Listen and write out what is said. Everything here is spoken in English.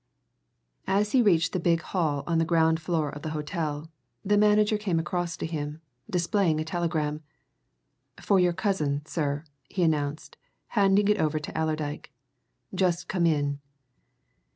As he reached the big hall on the ground floor of the hotel, the manager came across to him, displaying a telegram. "For your cousin, sir," he announced, handing it over to Allerdyke. "Just come in."